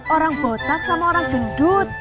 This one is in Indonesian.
orang botak sama orang gendut